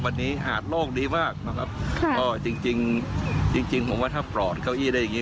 วันนี้หาดโลกดีมากนะครับค่ะก็จริงจริงผมว่าถ้าปลอดเก้าอี้ได้อย่างงี